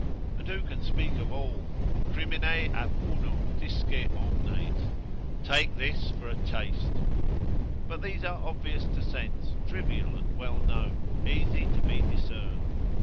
And who can speak of all? Crimine ab uno disce omnes, take this for a taste. But these are obvious to sense, trivial and well known, easy to be discerned.